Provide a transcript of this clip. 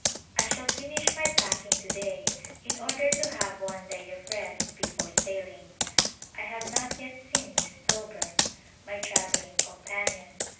I shall finish my packing to day in order to have one day of rest before sailing. I have not yet seen Miss Tho burn, my travelling companion.